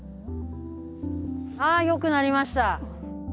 ああよくなりました。